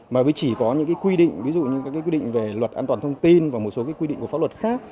mà với chỉ có những quy định ví dụ như các quy định về luật an toàn thông tin và một số quy định của pháp luật khác